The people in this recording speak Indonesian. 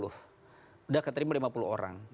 sudah keterima lima puluh orang